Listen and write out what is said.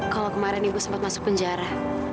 kalau kemarin ibu sempat masuk penjara